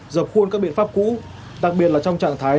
dập khuôn các biện pháp cũ đặc biệt là trong trạng thái